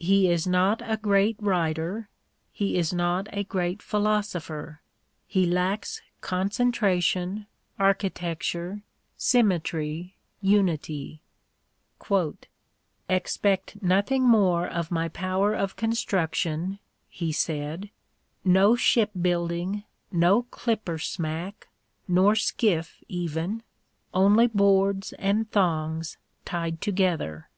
He is not a great writer, he is not a great philosopher; he lacks concentration, architecture, symmetry, unity : Expect nothing more of my power of construction [he said] — no ship building, no clipper smack, nor skiflE even, only boards and thongs tied together.